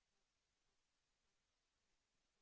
โปรดติดตามต่อไป